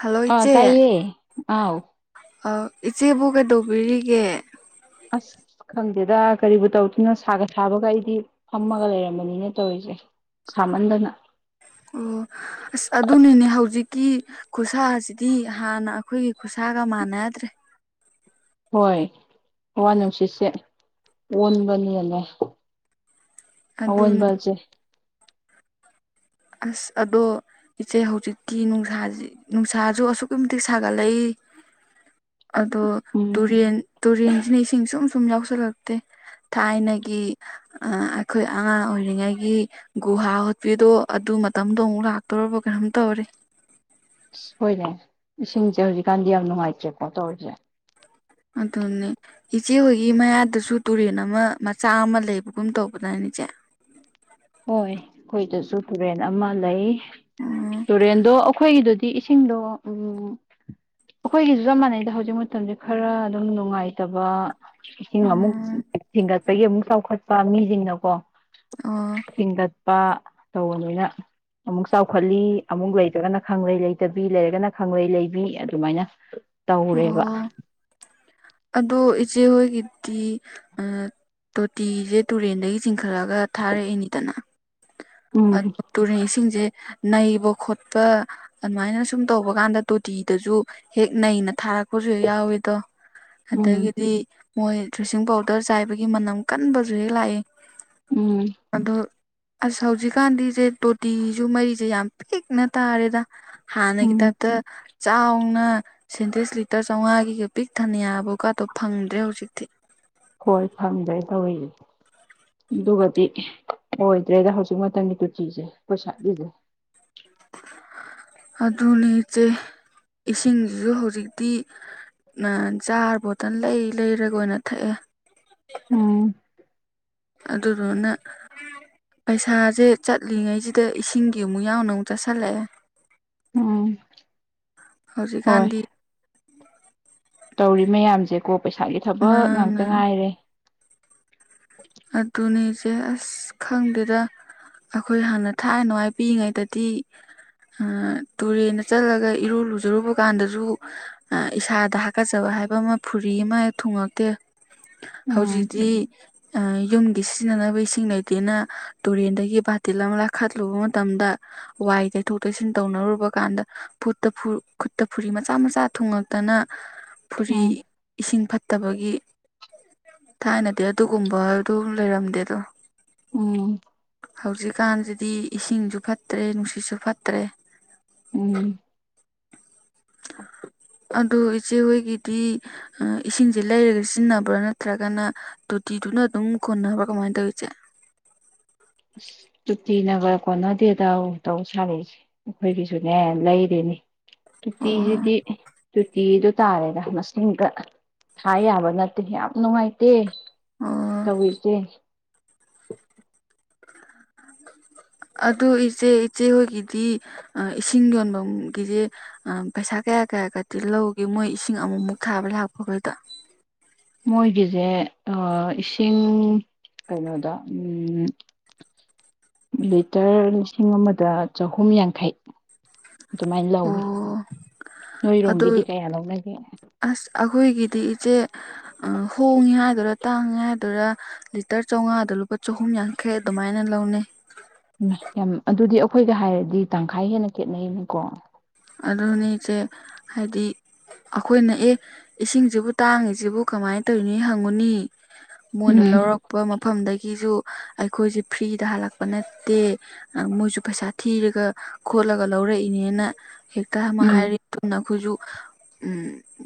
Hello ꯑ ꯇꯥꯏꯌꯦ ꯑꯥꯎ ꯑꯧ ꯏꯆꯦꯕꯨ ꯀꯩꯗꯧꯕꯤꯔꯤꯒꯦ꯫ ꯑꯁ ꯈꯪꯗꯦꯗ ꯀꯔꯤꯕꯨ ꯇꯧꯗꯣꯏꯅꯣ ꯁꯥꯒ ꯁꯥꯕꯒ ꯑꯩꯗꯤ ꯐꯝꯃꯒ ꯂꯩꯔꯝꯕꯅꯤꯅ ꯇꯧꯔꯤꯁꯦ ꯁꯥꯃꯟꯗꯅ ꯑꯣ ꯑꯁ ꯑꯗꯨꯅꯤꯅꯦ ꯍꯧꯖꯤꯛꯀꯤ ꯈꯨꯠꯁꯥꯁꯤꯗꯤ ꯍꯥꯟꯅ ꯑꯩꯈꯣꯏꯒꯤ ꯈꯨꯁꯥꯒ ꯃꯥꯟꯅꯗ꯭ꯔꯦ ꯍꯣꯏ ꯍꯋꯥ ꯅꯨꯡꯁꯤꯠꯁꯦ ꯑꯣꯟꯕꯅꯦꯅꯦ ꯑꯗꯨꯅꯦ ꯑꯋꯣꯟꯕꯁꯦ ꯑꯁ ꯑꯗꯣ ꯏꯆꯦ ꯍꯧꯖꯤꯛꯇꯤ ꯅꯨꯡꯁꯥꯁꯤ ꯅꯨꯡꯁꯥꯁꯨ ꯑꯁꯨꯛꯀꯤ ꯃꯇꯤꯛ ꯁꯥꯒꯠꯂꯛꯏ ꯑꯗꯣ ꯎꯝ ꯇꯨꯔꯦꯟ ꯇꯨꯔꯦꯟꯁꯤꯅ ꯏꯁꯤꯡ ꯁꯨꯝ ꯁꯨꯝ ꯌꯥꯎꯁꯜꯂꯛꯇꯦ ꯊꯥꯏꯅꯒꯤ ꯑꯩꯈꯣꯏ ꯑꯉꯥꯡ ꯑꯣꯏꯔꯤꯉꯩꯒꯤ ꯒꯨꯍꯥ ꯍꯣꯠꯄꯤꯗꯣ ꯑꯗꯨ ꯃꯇꯝꯗꯣ ꯑꯃꯨꯛ ꯂꯥꯛꯇꯣꯔꯔꯕꯣ ꯀꯩꯅꯣꯝ ꯇꯧꯔꯦ꯫ ꯑ ꯍꯣꯏꯔꯦ ꯏꯁꯤꯡꯁꯦ ꯍꯧꯖꯤꯛꯀꯥꯟꯗꯤ ꯌꯥꯝ ꯅꯨꯡꯉꯥꯏꯇ꯭ꯔꯦꯀꯣ ꯇꯧꯔꯤꯁꯦ ꯑꯗꯨꯅꯤ ꯏꯆꯦ ꯍꯣꯏꯒꯤ ꯃꯌꯥꯗꯁꯨ ꯇꯨꯔꯦꯟ ꯑꯃ ꯃꯆꯥ ꯑꯃ ꯂꯩꯕꯒꯨꯝ ꯇꯧꯕꯗꯅ ꯏꯆꯦ ꯍꯣꯏ ꯑꯩꯈꯣꯏꯗꯁꯨ ꯇꯨꯔꯦꯟ ꯑꯃ ꯂꯩ ꯎꯝ ꯇꯨꯔꯦꯟꯗꯣ ꯑꯩꯈꯣꯏꯒꯤꯗꯨꯗꯤ ꯁꯤ ꯏꯁꯤꯡꯗꯣ ꯎꯝ ꯑꯩꯈꯣꯏꯒꯤꯁꯨ ꯆꯞ ꯃꯥꯟꯅꯩꯗ ꯍꯧꯖꯤꯛ ꯃꯇꯝꯁꯦ ꯈꯔ ꯑꯗꯨꯝ ꯅꯨꯡꯉꯥꯏꯇꯕ ꯏꯁꯤꯡ ꯑꯃꯨꯛ ꯊꯤꯡꯒꯠꯄꯒꯤ ꯑꯃꯨꯛ ꯆꯥꯎꯈꯠꯄ ꯃꯤꯁꯤꯡꯅꯀꯣ ꯑꯣ ꯊꯤꯡꯒꯠꯄ ꯇꯧꯕꯅꯤꯅ ꯑꯃꯨꯛ ꯆꯥꯎꯈꯠꯂꯤ ꯑꯃꯨꯛ ꯂꯩꯇ꯭ꯔꯒꯅ ꯈꯪꯂꯩ ꯂꯩꯇꯕꯤ ꯂꯩꯔꯒꯅ ꯈꯪꯂꯩ ꯂꯩꯕꯤ ꯑꯗꯨꯃꯥꯏꯅ ꯇꯧꯔꯦꯕ ꯑꯣ ꯑꯗꯣ ꯏꯆꯦꯍꯣꯏꯒꯤꯗꯤ ꯇꯣꯇꯤꯁꯦ ꯇꯨꯔꯦꯟꯗꯒꯤ ꯆꯤꯡꯈꯠꯂꯒ ꯊꯥꯔꯛꯏꯅꯤꯗꯅ ꯎꯝ ꯑꯗꯨ ꯇꯨꯔꯦꯟꯁꯤꯡꯁꯦ ꯅꯩꯕ ꯈꯣꯠꯄ ꯑꯗꯨꯃꯥꯏꯅ ꯁꯨꯝ ꯇꯧꯕ ꯀꯥꯟꯗ ꯇꯣꯇꯤꯗꯁꯨ ꯍꯦꯛ ꯅꯩꯅ ꯊꯥꯔꯛꯄꯁꯨ ꯍꯦꯛ ꯌꯥꯎꯋꯤꯗꯣ ꯎꯝ ꯑꯗꯒꯤꯗꯤ ꯃꯣꯏ ꯗ꯭ꯔꯤꯁꯤꯡ ꯄꯥꯎꯗꯔ ꯆꯥꯏꯕꯒꯤ ꯃꯅꯝ ꯀꯟꯕꯁꯨ ꯍꯦꯛ ꯂꯥꯛꯏ ꯎꯝ ꯑꯗꯣ ꯑꯁ ꯍꯧꯖꯤꯛꯀꯥꯟꯗꯤꯁꯦ ꯇꯣꯇꯤꯁꯨ ꯃꯔꯤꯁꯦ ꯌꯥꯝ ꯄꯤꯛꯅ ꯇꯥꯔꯦꯗ ꯍꯥ ꯅꯒꯤ ꯎꯝ ꯇꯥꯢꯞꯇ ꯆꯥꯎꯅ ꯁꯦꯟꯇꯤꯁ ꯂꯤꯇꯔ ꯆꯥꯝꯃꯉꯥꯒꯤꯒ ꯄꯤꯛ ꯊꯅꯌꯥꯕꯀꯥꯗꯣ ꯐꯪꯗ꯭ꯔꯦ ꯍꯧꯖꯤꯛꯇꯤ ꯍꯣꯏ ꯐꯡꯗꯦ ꯇꯧꯋꯤꯅꯤ ꯑꯗꯨꯒꯗꯤ ꯑꯣꯏꯗ꯭ꯔꯦꯗ ꯍꯧꯖꯤꯛ ꯃꯇꯝꯒꯤ ꯇꯨꯇꯤꯁꯦ ꯑꯩꯈꯣꯢ ꯁ꯭ꯋꯥꯢꯗꯗꯤ ꯑꯗꯨꯅꯤ ꯏꯆꯦ ꯏꯁꯤꯡꯁꯤꯁꯨ ꯍꯧꯖꯤꯛꯇꯤ ꯖꯥꯔ ꯕꯣꯇꯜ ꯂꯩ ꯂꯩꯔꯒ ꯑꯣꯏꯅ ꯊꯛꯑꯦ ꯎꯝ ꯑꯗꯨꯗꯨꯅ ꯄꯩꯁꯥꯁꯦ ꯆꯠꯂꯤꯉꯩꯁꯤꯗ ꯏꯁꯤꯡꯒꯤ ꯑꯃꯨꯛ ꯌꯥꯎꯅ ꯑꯃꯨꯛ ꯆꯠꯁꯜꯂꯛꯑꯦ ꯎꯝ ꯍꯣꯏ ꯍꯧꯖꯤꯛꯀꯥꯟꯗꯤ ꯇꯧꯔꯤ ꯃꯌꯥꯝꯁꯦ ꯀꯣ ꯄꯩꯁꯥꯒꯤ ꯊꯕꯛ ꯉꯥꯛꯇ ꯃꯥꯅ ꯉꯥꯏꯔꯦ ꯑꯗꯨꯅꯤꯁꯦ ꯑꯁ ꯈꯪꯗꯦꯗ ꯑꯩꯈꯣꯏ ꯍꯥꯟꯅ ꯊꯥꯏꯅꯅꯨꯡꯉꯥꯏ ꯄꯤꯏꯉꯩꯗꯗꯤ ꯇꯨꯔꯦꯟꯗ ꯆꯠꯂꯒ ꯏꯔꯨ ꯂꯨꯖꯔꯨꯕ ꯀꯥꯟꯗꯁꯨ ꯏꯁꯥꯗ ꯍꯥꯀꯠꯆꯕ ꯍꯥꯏꯕ ꯑꯃ ꯐꯨꯔꯤ ꯑꯃ ꯊꯨꯡꯉꯛꯇꯦ ꯎꯝ ꯍꯧꯖꯤꯛꯇꯤ ꯌꯨꯝꯒꯤ ꯁꯤꯖꯤꯟꯅꯅꯕ ꯏꯁꯤꯡ ꯂꯩꯇꯦꯅ ꯇꯨꯔꯦꯟꯗꯒꯤ ꯕꯥꯇꯤꯟ ꯑꯃ ꯂꯥꯈꯠꯂꯨꯕ ꯃꯇꯝꯗ ꯋꯥꯏ ꯇꯩꯊꯣꯛ ꯇꯩꯁꯤꯟ ꯇꯧꯅꯔꯨꯕ ꯀꯥꯟꯗ ꯐꯨ ꯈꯨꯠꯇ ꯐꯨꯔꯤ ꯃꯆꯥ ꯃꯆꯥ ꯊꯨꯡꯉꯛꯇꯅ ꯐꯨꯔꯤ ꯎꯝ ꯏꯁꯤꯡ ꯐꯠꯇꯕꯒꯤ ꯊꯥꯏꯅꯗꯤ ꯑꯗꯨ ꯨꯒꯨꯝꯕ ꯑꯗꯨ ꯂꯩꯔꯝꯗꯦ ꯑꯗꯣ ꯎꯝ ꯍꯧꯖꯤꯛꯀꯥꯟꯁꯤꯗꯤ ꯏꯁꯤꯡꯁꯨ ꯐꯠꯇ꯭ꯔꯦ ꯅꯨꯡꯁꯤꯠꯁꯨ ꯐꯠꯇ꯭ꯔꯦ ꯎꯝ ꯑꯗꯨ ꯏꯆꯦ ꯍꯣꯏꯒꯤꯗꯤ ꯏꯁꯤꯡꯁꯦ ꯂꯩꯔꯒ ꯁꯤꯖꯤꯟꯅꯕ꯭ꯔꯥ ꯅꯠꯇ꯭ꯔꯒꯅ ꯇꯣꯇꯤꯗꯨꯅ ꯑꯗꯨꯝ ꯀꯣꯟꯅꯕ ꯀꯃꯥꯏꯅ ꯇꯧꯋꯤ ꯏꯆꯦ ꯇꯨꯇꯤ ꯅꯒ ꯀꯣꯟꯅꯗꯦ ꯇꯧ ꯁꯥꯔꯤꯁꯦ ꯑꯩꯈꯣꯏꯒꯤꯁꯨꯅꯦ ꯂꯩꯔꯤꯅꯦ ꯑꯣ ꯇꯨꯇꯤꯁꯤꯗꯤ ꯇꯨꯇꯤꯗꯨ ꯇꯥꯔꯦꯗ ꯃꯁꯤꯡꯒ ꯊꯥ ꯌꯥꯕ ꯅꯠꯇꯦ ꯌꯥꯝ ꯅꯨꯡꯉꯥꯏꯇꯦ ꯑꯣ ꯇꯧꯋꯤ ꯏꯆꯦ ꯑꯗꯨ ꯏꯆꯦ ꯏꯆꯦ ꯍꯣꯏꯒꯤꯗꯤ ꯏꯁꯤꯡ ꯌꯣꯟꯐꯝꯒꯤꯁꯦ ꯑ ꯄꯩꯁꯥ ꯀꯌꯥ ꯀꯌꯥꯒꯗꯤ ꯂꯧꯒꯦ ꯃꯣꯏ ꯏꯁꯤꯡ ꯑꯃꯨꯃꯨꯛ ꯊꯥꯕ ꯂꯥꯛꯄꯈꯩꯗ ꯃꯣꯏꯒꯤꯁꯦ ꯏꯁꯤꯡ ꯀꯩꯅꯣꯗ ꯎꯝ ꯂꯤꯇꯔ ꯂꯤꯁꯤꯡ ꯑꯃꯗ ꯆꯍꯨꯝ ꯌꯥꯡꯈꯩ ꯑꯗꯨꯃꯥꯏꯅ ꯂꯧꯋꯤ ꯑꯣ ꯅꯣꯏꯔꯣꯝꯒꯤꯗꯤ ꯑꯗꯨ ꯀꯌꯥ ꯂꯧꯅꯒꯦ ꯑꯁ ꯑꯩꯈꯣꯏꯒꯤꯗꯤ ꯏꯆꯦ ꯍꯣꯡꯉꯤ ꯍꯥꯏꯗꯨꯔ ꯇꯥꯡꯉꯦ ꯍꯥꯢꯗꯨꯔ ꯂꯤꯇꯔ ꯆꯥꯎꯉꯥꯗ ꯂꯨꯄꯥ ꯆꯍꯨꯝ ꯌꯥꯡꯈꯩ ꯑꯗꯨꯃꯥꯏꯅ ꯂꯧꯅꯩ ꯎꯝ ꯌꯥꯝ ꯑꯗꯨꯗꯤ ꯑꯩꯈꯣꯏꯒ ꯍꯥꯏꯔꯗꯤ ꯇꯪꯈꯥꯏ ꯍꯦꯟꯅ ꯈꯦꯠꯅꯩꯅꯤꯀꯣ ꯑꯗꯨꯅꯤ ꯏꯆꯦ ꯍꯥꯏꯗꯤ ꯑꯩꯈꯣꯏꯅ ꯑꯦ ꯏꯁꯤꯡꯁꯤꯕꯨ ꯇꯥꯡꯉꯤꯁꯤꯕꯨ ꯀꯃꯥꯏꯅ ꯇꯧꯔꯤꯅꯤ ꯍꯪꯉꯨꯅꯤ ꯃꯣꯏꯅ ꯎꯝ ꯂꯧꯔꯛꯄ ꯃꯐꯝꯗꯒꯤꯁꯨ ꯑꯩꯈꯣꯏꯁꯦ ꯐ꯭ꯔꯤꯗ ꯍꯜꯂꯛꯄ ꯅꯠꯇꯦ ꯃꯣꯏꯁꯨ ꯄꯩꯁꯥ ꯊꯤꯔꯒ ꯈꯣꯠꯂꯒ ꯂꯧꯔꯛꯏꯅꯦꯅ ꯍꯦꯛꯇ ꯑꯃ ꯎꯝ ꯍꯥꯏꯔ ꯇꯨꯅ ꯑꯈꯣꯏꯁꯨ ꯎꯝ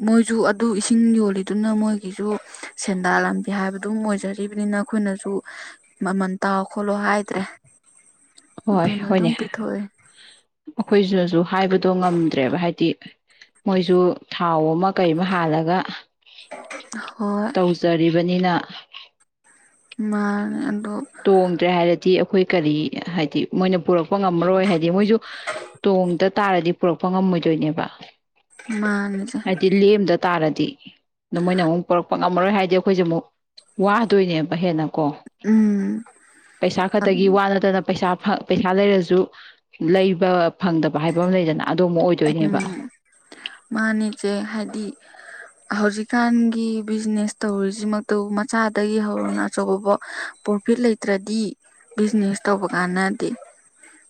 ꯃꯣꯏꯁꯨ ꯑꯗꯨ ꯏꯁꯤꯡ ꯌꯣꯜꯂꯤꯗꯨꯅ ꯃꯣꯏꯒꯤꯁꯨ ꯁꯦꯟꯗꯥ ꯂꯝꯕꯤ ꯍꯥꯏꯕꯗꯨꯝ ꯑꯣꯏꯖꯔꯤꯝꯅꯤꯅ ꯑꯩꯈꯣꯏꯅꯁꯨ ꯃꯃꯟ ꯇꯥꯎ ꯈꯣꯠꯂꯣ ꯍꯥꯏꯗ꯭ꯔꯦ ꯑꯗꯨꯅ ꯑꯗꯨꯝ ꯄꯤꯊꯣꯛꯑꯦ ꯑꯩꯈꯣꯏꯁꯤꯁꯨ ꯍꯥꯏꯕꯗꯣ ꯉꯝꯗ꯭ꯔꯦꯕ ꯍꯥꯏꯗꯤ ꯃꯣꯏꯁꯨ ꯊꯥꯎ ꯑꯃ ꯀꯩ ꯑꯃ ꯍꯥꯜꯂꯒ ꯍꯣꯏ ꯇꯧꯖꯔꯤꯕꯅꯤꯅ ꯃꯥꯅꯦ ꯑꯗꯣ ꯇꯣꯡꯗ꯭ꯔꯦ ꯍꯥꯏꯔꯗꯤ ꯑꯩꯈꯣꯏ ꯀꯔꯤ ꯍꯥꯏꯗꯤ ꯃꯣꯏꯅ ꯄꯨꯔꯛꯄ ꯉꯝꯃꯔꯣꯏ ꯍꯥꯏꯗꯤ ꯃꯣꯏꯁꯨ ꯇꯣꯡꯗ ꯇꯥꯔꯗꯤ ꯄꯨꯔꯛꯄ ꯉꯝꯃꯣꯏꯗꯣꯏꯅꯦꯕ ꯃꯥꯅꯦ [unintelligible] ꯍꯥꯏꯗꯤ ꯂꯦꯝꯗ ꯇꯥꯔꯗꯤ ꯑꯗꯨ ꯃꯣꯏꯅ ꯑꯃꯨꯛ ꯄꯨꯔꯛ ꯄ ꯉꯝꯃꯔꯣꯏ ꯍꯥꯏꯗꯤ ꯑꯩꯈꯣꯏꯁꯦ ꯑꯃꯨꯛ ꯋꯥꯗꯣꯏꯅꯦꯕ ꯍꯦꯟꯅ ꯀꯣ ꯎꯝ ꯄꯩꯁꯥ ꯈꯛꯇꯒꯤ ꯋꯥ ꯅꯠꯇꯅ ꯄꯩꯁꯥ ꯄꯩꯁꯥ ꯂꯩꯔꯁꯨ ꯂꯩꯕ ꯐꯪꯗꯕ ꯍꯥꯏꯕ ꯑꯃ ꯂꯩꯗꯅ ꯑꯃꯨꯝꯕ ꯑꯣꯏꯗꯣꯏꯅꯦꯕ ꯃꯥꯅꯤꯆꯦ ꯍꯥꯏꯗꯤ ꯍꯧꯖꯤꯛꯀꯥꯟꯒꯤ ꯕꯤꯖꯤꯅꯦꯁ ꯇꯧꯔꯤꯁꯤꯃꯛꯇꯕꯨ ꯃꯆꯥꯗꯒꯤ ꯍꯧꯔꯒ ꯑꯆꯧꯕꯐꯧ ꯄ꯭ꯔꯣꯐꯤꯠ ꯂꯩꯇ꯭ꯔꯗꯤ ꯕꯤꯖꯤꯅꯦꯁ ꯇꯧꯕ ꯀꯥꯟꯅꯗꯦ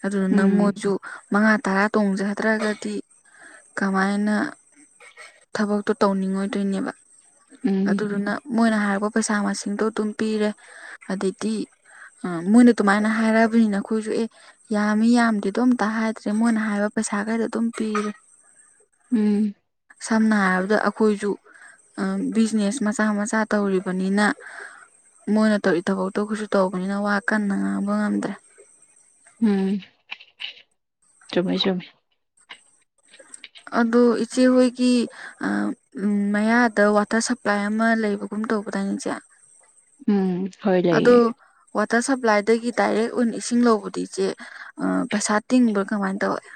ꯑꯗꯨꯗꯨꯅ ꯎꯝ ꯃꯣꯏꯁꯨ ꯃꯉꯥ ꯇꯔꯥ ꯇꯣꯡꯖꯗ꯭ꯔꯒ ꯗꯤ ꯀꯃꯥꯏꯅ ꯊꯕꯛꯇꯣ ꯇꯧꯅꯤꯡꯉꯣꯏꯗꯣꯏꯅꯦꯕ ꯎꯝ ꯑꯗꯨꯗꯨꯅ ꯃꯣꯏꯅ ꯍꯥꯏꯔꯛꯄ ꯄꯩꯁꯥ ꯃꯁꯤꯡꯗꯣ ꯑꯗꯨꯝ ꯄꯤꯔꯦ ꯑꯗꯩꯗꯤ ꯑ ꯃꯣꯏꯅ ꯑꯗꯨꯃꯥꯏꯅ ꯍꯥꯏꯔꯛꯑꯕꯅꯤꯅ ꯑꯩꯈꯣꯏꯁꯨ ꯑꯦ ꯌꯥꯝꯃꯤ ꯌꯥꯝꯗꯦꯗꯣ ꯑꯝꯇ ꯍꯥꯏꯗ꯭ꯔꯦ ꯃꯣꯏꯅ ꯍꯥꯏꯕ ꯄꯩꯁꯥꯈꯩꯗꯣ ꯑꯗꯨꯝ ꯄꯤꯔꯦ ꯎꯝ ꯁꯝꯅ ꯍꯥꯏꯔꯕꯗ ꯑꯩꯈꯣꯏꯁꯨ ꯑ ꯕꯤꯖꯤꯅꯦꯁ ꯃꯆꯥ ꯃꯆꯥ ꯇꯧꯔꯤꯕꯅꯤꯅ ꯃꯣꯏꯅ ꯇꯧꯔꯤ ꯊꯕꯛꯇꯣ ꯈꯣꯏꯁꯨ ꯇꯧꯔꯤꯕꯅꯤꯅ ꯋꯥ ꯀꯟꯅ ꯉꯥꯡꯕ ꯉꯝꯗ꯭ꯔꯦ ꯎꯝ ꯆꯨꯝꯃꯦ ꯆꯨꯝꯃꯦ ꯑꯗꯨ ꯏꯆꯦꯍꯣꯏꯒꯤ ꯃꯌꯥꯗ ꯋꯥꯇꯔ ꯁꯄ꯭ꯂꯥꯏ ꯑꯃ ꯂꯩꯕꯒꯨꯝ ꯇꯧꯕꯗꯥꯏ ꯏꯆꯦ ꯎꯝ ꯍꯣꯏ ꯂꯩꯌꯦ ꯑꯗꯣ ꯋꯥꯇꯔ ꯁꯄ꯭ꯂꯥꯏꯗꯒꯤ ꯗꯥꯏꯔꯦꯛ ꯑꯣꯏꯅ ꯏꯁꯤꯡ ꯂꯧꯕꯗꯤ ꯏꯆꯦ ꯑ ꯄꯩꯁꯥ ꯇꯤꯡꯕ꯭ꯔꯥ ꯀꯃꯥꯏꯅ ꯇꯧꯒꯦ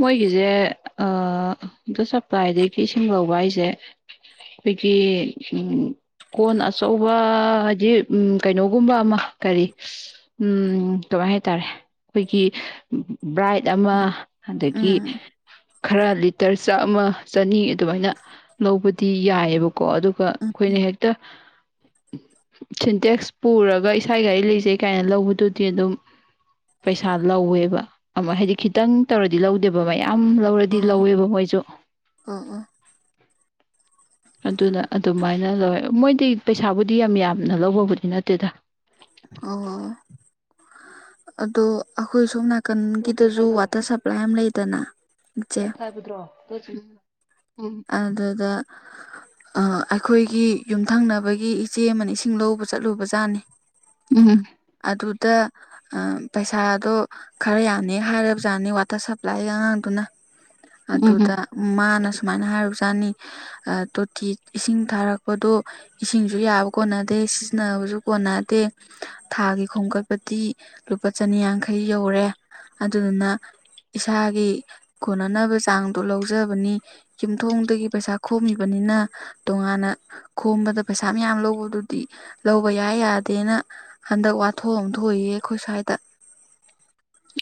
ꯃꯣꯏꯒꯤꯁꯦ ꯑ ꯋꯥꯇꯔ ꯁꯄ꯭ꯂꯥꯏꯗꯒꯤ ꯏꯁꯤꯡ ꯂꯧꯕ ꯍꯥꯏꯁꯦ [unintelligible] ꯎꯝ ꯀꯣꯟ ꯑꯆꯧꯕ ꯍꯥꯏꯗꯤ ꯎꯝ ꯀꯩꯅꯣꯒꯨꯝꯕ ꯑꯃ ꯀꯔꯤ ꯎꯝ ꯀꯃꯥꯏ ꯍꯥꯏꯇꯥꯔꯦ ꯑꯩꯈꯣꯏꯒꯤ ꯕ꯭ꯔꯥꯏꯠ ꯑꯃ ꯑꯗꯒꯤ ꯎꯝ ꯈꯔ ꯂꯤꯇꯔ ꯆꯥꯝꯃ ꯆꯅꯤ ꯑꯗꯨꯃꯥꯏꯅ ꯂꯧꯕꯗꯤ ꯌꯥꯏꯑꯦꯕꯀꯣ ꯑꯗꯨꯒ ꯑꯩꯈꯣꯏꯅ ꯍꯦꯛꯇ ꯁꯤꯟꯇꯦꯛꯁ ꯄꯨꯔꯒ ꯏꯁꯥꯒꯤ ꯒꯥꯔꯤ ꯂꯩꯖꯩ ꯀꯥꯏꯅ ꯂꯧꯕꯗꯨꯗꯤ ꯑꯗꯨꯝ ꯄꯩꯁꯥ ꯂꯧꯋꯦꯕ ꯑꯃ ꯍꯥꯏꯗꯤ ꯈꯤꯇꯪ ꯇꯧꯔꯗꯤ ꯂꯧꯗꯦꯕ ꯃꯌꯥꯝ ꯂꯧꯔꯗꯤ ꯑꯣ ꯂꯧꯋꯦꯕ ꯃꯣꯏꯁꯨ [inaudible] ꯑꯗꯨꯅ ꯑꯗꯨꯃꯥꯏꯅ ꯂꯧꯋꯦ ꯃꯣꯏꯗꯤ ꯄꯩꯁꯥꯕꯨꯗꯤ ꯌꯥꯝ ꯌꯥꯝꯅ ꯂꯧꯕꯕꯨꯗꯤ ꯅꯠꯇꯦꯗ ꯑꯣ ꯑꯗꯨ ꯑꯈꯣꯏ ꯁꯣꯝ ꯅꯥꯛ ꯀꯟꯒꯤꯗꯖꯁꯨ ꯋꯥꯇꯔ ꯁꯄ꯭ꯂꯥꯏ ꯑꯃ ꯂꯩꯗꯅ ꯏꯆꯦ ꯍꯥꯏꯕꯗ꯭ꯔꯣ [unintelligible] ꯎꯝ ꯑꯗꯨꯗ ꯑ ꯑꯩꯈꯣꯏꯒꯤ ꯌꯨꯝꯊꯪꯅꯕꯒꯤ ꯏꯆꯦ ꯑꯃꯅ ꯏꯁꯤꯡ ꯂꯧꯕ ꯆꯠꯂꯨꯕꯖꯥꯠꯅꯦ ꯎꯝ ꯑꯗꯨꯗ ꯑ ꯄꯩꯁꯥꯗꯣ ꯈꯔ ꯌꯥꯝꯅ ꯍꯦꯛ ꯍꯥꯏꯔꯕꯖꯥꯠꯅꯤ ꯋꯥꯇꯔ ꯁꯄ꯭ꯂꯥꯏꯒꯤ ꯑꯉꯥꯡꯗꯨꯅ ꯎꯝ ꯑꯗꯨꯗ ꯃꯥꯅ ꯁꯨꯃꯥꯏꯅ ꯍꯥꯏꯔꯨꯖꯥꯠꯅꯤ ꯇꯣꯇꯤ ꯏꯁꯤꯡ ꯊꯥꯔꯛꯄꯗꯣ ꯏꯁꯤꯡꯁꯨ ꯌꯥꯕ ꯀꯣꯟꯅꯗꯦ ꯁꯤꯖꯤꯟꯅꯕꯁꯨ ꯀꯣꯟꯅꯗꯦ ꯊꯥꯒꯤ ꯈꯣꯝꯒꯠꯄꯗꯤ ꯂꯨꯄꯥ ꯆꯅꯤꯌꯥꯡꯈꯩ ꯌꯧꯔꯦ ꯑꯗꯨꯗꯨꯅ ꯏꯁꯥꯒꯤ ꯀꯣꯟꯅꯅꯕ ꯆꯥꯡꯗꯣ ꯂꯧꯖꯕꯅꯤ ꯌꯨꯝꯊꯣꯡꯗꯒꯤ ꯄꯩꯁꯥ ꯈꯣꯝꯃꯤꯕꯅꯤꯅ ꯇꯣꯉꯥꯟꯅ ꯈꯣꯝꯕꯗ ꯄꯩꯁꯥ ꯃꯌꯥꯝ ꯂꯧꯕꯗꯨꯗꯤ ꯂꯧꯕ ꯌꯥꯏ ꯌꯥꯗꯦꯅ ꯍꯟꯗꯛ ꯋꯥꯊꯣꯛꯑꯝ ꯊꯣꯛꯏꯌꯦ ꯑꯈꯣꯏ ꯁ꯭ꯋꯥꯏꯗ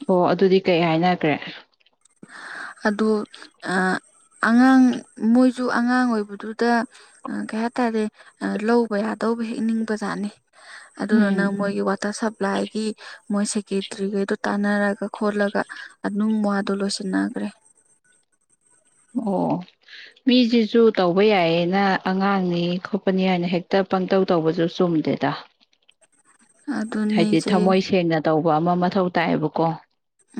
ꯑꯣ ꯑꯗꯨꯗꯤ ꯀꯩ ꯍꯥꯏꯅꯈ꯭ꯔꯦ ꯑꯣ ꯑꯉꯥꯡ ꯃꯣꯏꯁꯨ ꯑꯉꯥꯡ ꯑꯣꯏꯕꯗꯨꯗ ꯑ ꯀꯩ ꯍꯥꯏꯇꯥꯔꯦ ꯂꯧꯕ ꯌꯥꯗꯧꯕ ꯍꯦꯛ ꯅꯤꯡꯕꯖꯥꯠꯅꯤ ꯑꯗꯨꯗꯨꯅ ꯎꯝ ꯃꯣꯏꯒꯤ ꯋꯥꯇꯔ ꯁꯄ꯭ꯂꯥꯏ ꯀ ꯃꯣꯏ ꯁꯦꯀꯦꯇ꯭ꯔꯤꯒꯩꯗꯣ ꯇꯥꯟꯅꯔꯒ ꯈꯣꯠꯂꯒ ꯑꯗꯨꯝ ꯋꯥꯗꯣ ꯂꯣꯏꯁꯤꯟꯅꯈ꯭ꯔꯦ ꯑꯣ ꯃꯤꯁꯤꯁꯨ ꯇꯧꯕ ꯌꯥꯏꯌꯦꯅ ꯑꯉꯥꯡꯅꯤ ꯈꯣꯠꯄꯅꯤ ꯍꯥꯏꯅ ꯍꯦꯛꯇ ꯄꯪꯇꯧ ꯇꯧꯕꯁꯨ ꯆꯨꯝꯗꯦꯗ [unintelligible] ꯑꯗꯨꯅꯤ ꯍꯥꯏꯗꯤ ꯏꯆꯦ ꯊꯃꯣꯏ ꯁꯦꯡꯅ ꯇꯧꯕ ꯑꯃ ꯃꯊꯧ ꯇꯥꯏꯌꯦꯕꯀꯣ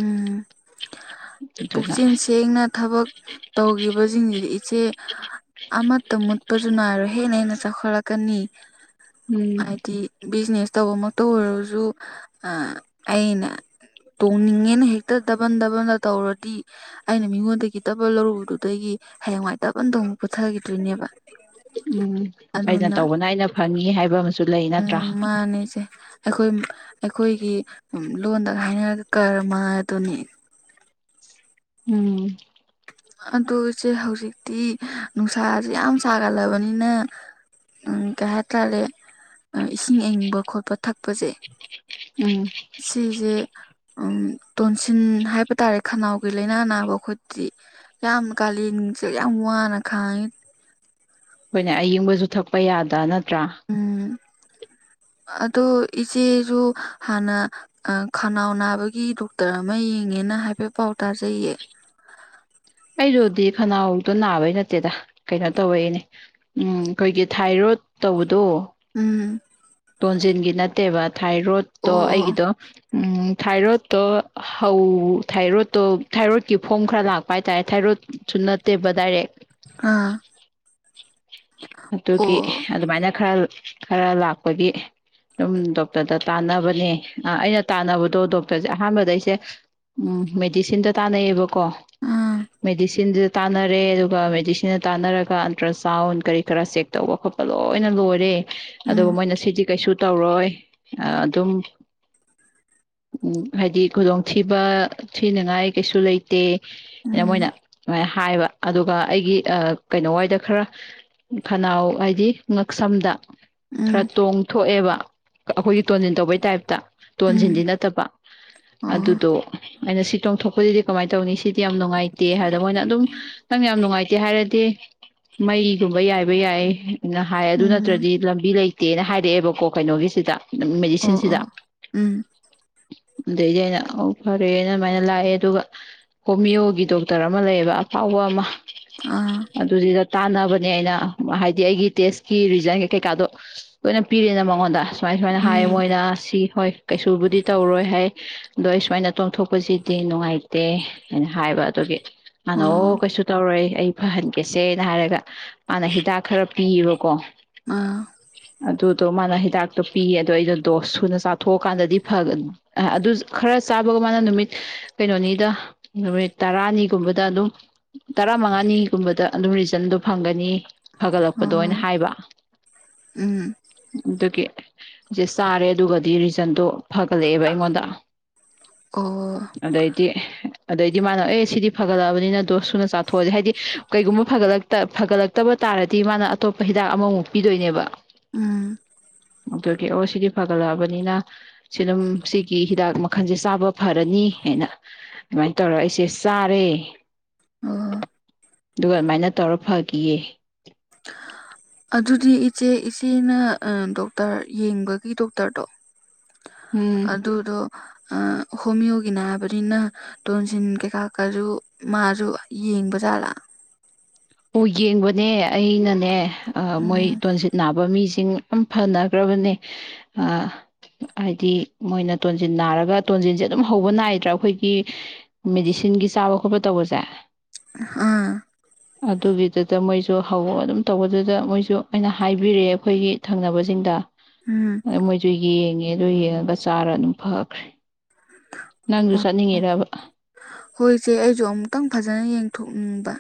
ꯎꯝ ꯑꯗꯨꯅ ꯄꯨꯛꯆꯦꯟ ꯁꯦꯡꯅ ꯊꯕꯛ ꯇꯧꯈꯤꯕꯁꯤꯡꯁꯤꯗꯤ ꯏꯆꯦ ꯑ ꯑꯃꯥ ꯇ ꯃꯨꯠꯄꯖꯨ ꯅꯔꯣꯢ ꯍꯦꯟꯅ ꯍꯦꯟꯅ ꯆꯈꯠꯂꯛꯀꯅꯤ ꯎꯝ ꯍꯥꯏꯗꯤ ꯕꯤꯖꯤꯅꯦꯁ ꯇꯧꯕꯃꯛꯇ ꯑꯣꯏꯔꯁꯨ ꯑꯩꯅ ꯇꯧꯅꯤꯡꯉꯦꯅ ꯍꯦꯛꯇ ꯗꯕꯟ ꯗꯕꯟꯗ ꯇꯧꯔꯗꯤ ꯑꯩꯅ ꯃꯤꯉꯣꯟꯗꯒꯤ ꯗꯕꯜ ꯂꯧꯔꯨꯕꯗꯨꯗꯒꯤ ꯍꯌꯦꯡꯋꯥꯏ ꯗꯕꯜꯗ ꯑꯃꯨꯛ ꯄꯨꯊꯈꯤꯗꯣꯏꯅꯦꯕ ꯎꯝ ꯑꯩꯅ ꯑꯗꯨꯅ ꯇꯧꯕꯅ ꯑꯩꯅ ꯐꯪꯉꯤ ꯍꯥꯏꯕ ꯑꯃ ꯎꯝ ꯃꯥꯅꯦ ꯏꯆꯦ ꯑꯈꯣꯏ ꯑꯈꯣꯏꯒꯤ ꯂꯣꯟꯗ ꯍꯥꯏꯅꯔꯒ ꯀꯔꯃ ꯑꯗꯨꯅꯤ ꯎꯝ ꯑꯗꯨ ꯢꯆꯦ ꯍꯧꯖꯤꯛꯇꯤ ꯅꯨꯡꯁꯥꯁꯦ ꯌꯥꯝ ꯁꯥꯒꯠꯂꯕꯅꯤꯅ ꯀꯩꯍꯇꯥꯔꯦ ꯏꯁꯤꯡ ꯏꯪꯕ ꯈꯣꯠꯄ ꯊꯛꯄꯁꯦ ꯑꯩꯈꯣꯏꯅ ꯁꯤꯖꯦ ꯎꯝ ꯇꯣꯟꯁꯤꯟ ꯍꯥꯏꯕ ꯇꯥꯔꯦ ꯈꯅꯥꯎꯒꯤ ꯂꯥꯏꯅꯥ ꯅꯥꯕ ꯑꯈꯣꯏꯗꯤ ꯌꯥꯝ ꯀꯥꯂꯦꯟꯁꯦ ꯌꯥꯝ ꯋꯥꯅ ꯈꯥꯡꯉꯦ ꯑꯩꯈꯣꯏꯅ ꯑꯌꯤꯡꯕꯁꯨ ꯊꯛꯄ ꯌꯥꯗ ꯅꯠꯇ꯭ꯔꯥ ꯎꯝ ꯑꯗꯣ ꯏꯆꯦꯁꯨ ꯍꯥꯟꯅ ꯈꯅꯥꯎ ꯅꯥꯕꯒꯤ ꯗꯣꯛꯇꯔ ꯑꯃ ꯌꯦꯡꯉꯦꯅ ꯍꯥꯏꯐꯦꯠ ꯄꯥꯎ ꯇꯥꯖꯩꯌꯦ ꯑꯩꯗꯨꯗꯤ ꯈꯅꯥꯎꯗꯣ ꯅꯥꯕꯩ ꯅꯠꯇꯦꯗ ꯀꯩꯅꯣ ꯇꯧꯔꯛꯏꯅꯦ ꯎꯝ ꯑꯈꯣꯏꯒꯤ ꯊꯥꯏꯔꯣꯗ ꯇꯧꯕꯗꯣ ꯎꯝ ꯇꯣꯟꯖꯤꯟꯒꯤ ꯅꯠꯇꯦꯕ ꯊꯥꯏꯔꯣꯠꯇꯣ ꯑꯣ ꯑꯩꯒꯤꯗꯣ ꯎꯝ ꯊꯥꯏꯔꯣꯠꯇꯣ ꯍꯧ ꯊꯥꯏꯔꯣꯠꯇꯣ ꯊꯥꯏꯔꯣꯗꯀꯤ ꯐꯣꯝ ꯈꯔ ꯂꯥꯛꯄ ꯍꯥꯏꯇꯥꯔꯦ ꯊꯥꯏꯔꯣꯗ ꯁꯨ ꯅꯠꯇꯦꯕ ꯗꯥꯏꯔꯦꯛ ꯑꯥ ꯑꯗꯨꯒꯤ ꯑꯗꯨꯃꯥꯏꯅ ꯈꯔ ꯈꯔ ꯂꯥꯛꯄꯒꯤ ꯑꯗꯨꯝ ꯗꯣꯛꯇꯔꯗ ꯇꯥꯟꯅꯕꯅꯦ ꯑꯩꯅ ꯇꯥꯟꯅꯕꯗꯣ ꯗꯣꯛꯇꯔꯁꯦ ꯑꯍꯥꯟꯕꯗ ꯑꯩꯁꯦ ꯎꯝ ꯃꯦꯗꯤꯁꯤꯟꯗ ꯇꯥꯟꯅꯩꯌꯦꯕꯀꯣ ꯑꯥ ꯑꯣ ꯃꯦꯗꯤꯁꯤꯟꯗꯨꯗ ꯇꯥꯟꯅꯔꯦ ꯑꯗꯨꯒ ꯃꯦꯗꯤꯁꯤꯟꯗ ꯇꯥꯟꯅꯔꯒ ꯑꯜꯇ꯭ꯔ ꯁꯥꯎꯟ ꯀꯔꯤ ꯈꯔ ꯆꯦꯛ ꯇꯧꯕ ꯈꯣꯠꯄ ꯂꯣꯏꯅ ꯂꯣꯏꯔꯦ ꯑꯗꯨꯒ ꯎꯝ ꯃꯣꯏꯅ ꯁꯤꯗꯤ ꯀꯩꯁꯨ ꯇꯧꯔꯣꯏ ꯑꯗꯨꯝ ꯎꯝ ꯍꯥꯏꯗꯤ ꯈꯨꯗꯣꯡꯊꯤꯕ ꯊꯤꯅꯉꯥꯏ ꯀꯩꯁꯨ ꯂꯩꯇꯦ ꯇꯦ ꯃꯣꯏꯅ ꯎꯝ ꯑꯗꯨꯃꯥꯏꯅ ꯍꯥꯏꯍꯦꯕ ꯑꯗꯨꯒ ꯑꯩꯒꯤ ꯀꯩꯅꯣ ꯋꯥꯏꯗ ꯈꯔ ꯈꯅꯥꯎ ꯍꯥꯏꯗꯤ ꯉꯛꯁꯝꯗ ꯈꯔ ꯎꯝ ꯇꯣꯡꯊꯣꯛꯑꯦꯕ ꯑꯩꯈꯣꯏꯒꯤ ꯇꯣꯟꯁꯤꯟ ꯇꯧꯕꯩ ꯇꯥꯏꯞꯇ ꯎꯝ ꯇꯣꯟꯁꯤꯟꯗꯤ ꯎꯝ ꯅꯠꯇꯕ ꯑꯣ ꯑꯗꯨꯗꯣ ꯑꯩꯅ ꯁꯤ ꯇꯣꯡꯊꯣꯛꯄꯗꯨꯗꯤ ꯀꯃꯥꯏꯅ ꯇꯧꯅꯤ ꯁꯤꯗꯤ ꯌꯥꯝ ꯅꯨꯡꯉꯥꯏꯇꯦ ꯍꯥꯏꯕꯗ ꯃꯣꯏꯅ ꯑꯗꯨꯝ ꯅꯪ ꯌꯥꯝ ꯅꯨꯡꯉꯥꯏꯇꯦ ꯍꯥꯏꯔꯗꯤ ꯃꯩꯗꯨ ꯌꯥꯏꯕ ꯌꯥꯏꯅ ꯍꯥꯏ ꯑꯗꯨ ꯎꯝ ꯅꯠꯇ꯭ꯔꯗꯤ ꯂꯝꯕꯤ ꯂꯩꯇꯦꯅ ꯍꯥꯏꯔꯛꯑꯦꯕꯀꯣ ꯀꯩꯅꯣꯒꯤꯁꯤꯗ ꯑꯣ ꯃꯦꯗꯤꯁꯤꯟꯁꯤꯗ ꯑꯣ ꯎꯝ ꯑꯗꯨꯗꯩꯗꯤ ꯑꯩꯅ ꯑꯣ ꯐꯔꯦꯅ ꯑꯗꯨꯃꯥꯏꯅ ꯂꯥꯛꯑꯦ ꯑꯗꯨꯒ ꯍꯣꯃꯤꯌꯣꯒꯤ ꯗꯣꯛꯇꯔ ꯑꯃ ꯂꯩꯌꯦꯕ ꯑꯐꯥꯎꯕ ꯑꯃ ꯑꯥ ꯑꯗꯨꯗꯤꯗ ꯇꯥꯟꯅꯕ ꯑꯩꯗꯤ ꯑꯩꯅ ꯇꯦꯁꯀꯤ ꯔꯤꯖꯩꯟ ꯀꯩꯀꯥꯗꯣ ꯂꯣꯏꯅ ꯄꯤꯔꯤꯅ ꯃꯉꯣꯟꯗ ꯁꯨꯃꯥꯏ ꯁꯨꯃꯥꯏꯅ ꯍꯥꯏꯌꯦ ꯎꯝ ꯃꯣꯏꯅ ꯁꯤ ꯍꯣꯏ ꯀꯩꯁꯨꯕꯨꯗꯤ ꯇꯧꯔꯣꯏ ꯍꯥꯏ ꯑꯗꯣ ꯑꯩ ꯁꯨꯃꯥꯏꯅ ꯇꯣꯡꯊꯣꯛꯄꯁꯤꯗꯤ ꯅꯨꯡꯉꯥꯏꯇꯦ ꯍꯥꯏꯅ ꯍꯥꯏꯕ ꯑꯗꯨꯒꯤ ꯃꯥꯅ ꯑꯣ ꯀꯩꯁꯨ ꯇꯧꯔꯣꯏ ꯑꯩ ꯐꯍꯟꯒꯦꯁꯦꯅ ꯍꯥꯏꯔꯒ ꯃꯥꯅ ꯍꯤꯗꯥꯛ ꯈꯔ ꯄꯤꯌꯦꯕꯀꯣ ꯑꯥ ꯑꯗꯨꯗꯣ ꯃꯥꯅ ꯍꯤꯗꯥꯛꯇꯣ ꯄꯤꯌꯦ ꯑꯗꯣ ꯑꯩꯗꯣ ꯗꯣꯁ ꯁꯨꯅ ꯆꯥꯊꯣꯛꯑꯀꯥꯟꯗꯗꯤ ꯐꯒꯅ ꯑ ꯑꯗꯨ ꯈꯔ ꯆꯥꯕꯒ ꯃꯥꯅ ꯅꯨꯃꯤꯠ ꯀꯩꯅꯣꯅꯤꯗ ꯅꯨꯃꯤꯠ ꯇꯔꯥꯅꯤꯒꯨꯝꯕꯗ ꯑꯗꯨꯝ ꯇꯔꯥ ꯃꯉꯥꯅꯤꯒꯨꯝꯕꯗ ꯑꯗꯨꯝ ꯔꯤꯖꯟꯗꯣ ꯐꯪꯒꯅꯤ ꯑꯅꯤ ꯐꯒꯠꯂꯛꯄꯗꯣ ꯑꯣꯏꯅ ꯑꯣ ꯍꯥꯏꯕ ꯎꯝ ꯑꯗꯨꯒꯤ ꯖꯦ ꯆꯥꯔꯦ ꯑꯗꯨꯒꯗꯤ ꯔꯤꯖꯟꯗꯣ ꯐꯒꯠꯂꯛꯑꯦꯕ ꯑꯩꯉꯣꯟꯗ ꯑꯣ ꯑꯗꯩꯗꯤ ꯑꯗꯩꯗꯤ ꯃꯥꯅꯣ ꯑꯦ ꯁꯤꯗꯤ ꯐꯒꯠꯂꯑꯕꯅꯤꯅ ꯗꯣꯁ ꯁꯨꯅ ꯆꯥꯊꯣꯛꯑꯁꯦ ꯍꯥꯏꯗꯤ ꯀꯩꯒꯨꯝꯕ ꯐꯒꯠꯂꯛꯇ ꯐꯒꯠꯂ ꯇꯕ ꯇꯥꯔꯗꯤ ꯃꯥꯅ ꯑꯇꯣꯞꯄ ꯍꯤꯗꯥꯛ ꯑꯃꯃꯨꯛ ꯄꯤꯗꯣꯏꯅꯦꯕ ꯎꯝ ꯑꯣꯇꯔꯒꯤ ꯑꯣ ꯁꯤꯗꯤ ꯐꯒꯠꯂꯛꯑꯕꯅꯤꯅ ꯁꯤ ꯑꯗꯨꯝ ꯁꯤꯒꯤ ꯍꯤꯗꯥꯛ ꯃꯈꯜꯁꯦ ꯆꯥꯕ ꯐꯔꯅꯤ ꯍꯥꯏꯅ ꯑꯗꯨꯃꯥꯏꯅ ꯇꯧꯔ ꯑꯩꯁꯦ ꯆꯥꯔꯦ ꯑꯣ ꯑꯗꯨꯒ ꯑꯗꯨꯃꯥꯏꯅ ꯇꯧꯔ ꯐꯈꯤꯌꯦ ꯑꯗꯨꯗꯤ ꯏꯆꯦ ꯏꯆꯦꯅ ꯗꯣꯛꯇꯔ ꯌꯦꯡꯕꯒꯤ ꯗꯣꯛꯇꯔꯗꯣ ꯎꯝ ꯑꯗꯨꯗꯣ ꯍꯣꯃꯤꯌꯣꯒꯤꯅ ꯍꯥꯏꯕꯅꯤꯅ ꯇꯣꯟꯁꯤꯟ ꯀꯩꯀꯥ ꯀꯥꯁꯨ ꯃꯥꯁꯨ ꯌꯦꯡꯕꯖꯥꯠꯂꯥ ꯑꯣ ꯌꯦꯡꯕꯅꯦ ꯑꯩꯅꯅꯦ ꯃꯣꯏ ꯎꯝ ꯇꯣꯟꯁꯤꯜ ꯅꯥꯕ ꯃꯤꯁꯤꯡ ꯑꯝ ꯐꯅꯈ꯭ꯔꯕꯅꯦ ꯍꯥꯏꯗꯤ ꯃꯣꯏꯅ ꯇꯣꯟꯖꯤꯟ ꯅꯥꯔꯒ ꯇꯣꯟꯖꯤꯟꯁꯦ ꯑꯗꯨꯝ ꯍꯧꯕ ꯅꯥꯏꯗ꯭ꯔꯥ ꯑꯩꯈꯣꯏꯒꯤ ꯃꯦꯗꯤꯁꯤꯟꯒꯤ ꯆꯥꯕ ꯈꯣꯠꯄ ꯇꯧꯕꯁꯦ ꯑꯥ ꯑꯗꯨꯒꯤꯗꯨꯗ ꯃꯣꯏꯁꯨ ꯍꯧꯔ ꯑꯗꯨꯝ ꯇꯧꯕꯗꯨꯗ ꯃꯣꯏꯁꯨ ꯑꯩꯅ ꯍꯥꯏꯕꯤꯔꯦ ꯑꯈꯣꯏꯒꯤ ꯊꯪꯅꯕꯁꯤꯡꯗ ꯎꯝ ꯑ ꯃꯣꯏꯁꯨ ꯌꯦꯡꯉꯦ ꯑꯗꯨꯗꯣ ꯌꯦꯡꯉꯒ ꯆꯥꯔ ꯑꯗꯨꯝ ꯐꯈ꯭ꯔꯦ ꯅꯪꯁꯨ ꯑꯣ ꯆꯠꯅꯤꯡꯉꯤꯔꯕ ꯍꯣꯏ ꯏꯆꯦ ꯑꯩꯁꯨ ꯑꯃꯨꯛꯇꯪ ꯐꯖꯅ ꯌꯦꯡꯊꯣꯛꯅꯤꯡꯕ